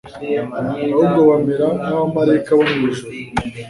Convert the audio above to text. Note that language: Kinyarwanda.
ahubwo bamera nk'abamaraika bo mu ijuru.»